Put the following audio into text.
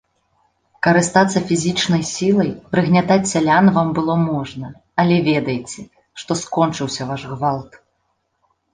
Карыстацца фізічнай сілай, прыгнятаць сялян вам было можна, але ведайце, што скончыўся ваш гвалт!